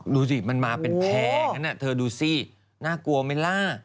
รู้สิมันมาเป็นแพ้เธอดูสิน่ากลัวไหมล่ะ